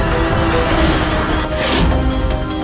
aku akan terus memburumu